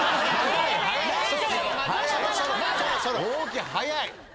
大木早い！